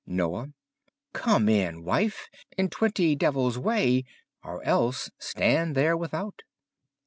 Noye Come in, wiffe, in twentye devilles waye! Or elles stand there without.